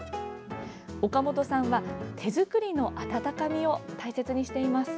岡本さんは、手づくりの温かみを大切にしています。